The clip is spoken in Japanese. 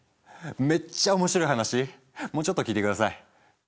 めっちゃ面白い話もうちょっと聞いて下さい。